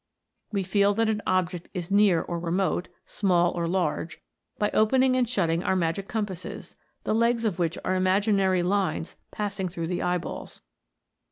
We feel that an object is near or re mote, small or large, by opening and shutting our magic compasses, the legs of which are imaginary lines passing through the eyeballs.